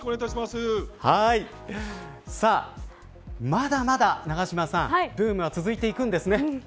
まだまだ永島さんブームは続いていくんですね。